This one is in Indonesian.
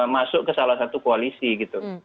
masuk ke salah satu koalisi gitu